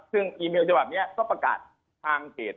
ซึ่งอีเมลฉบับนี้ก็ประกาศทางเพจ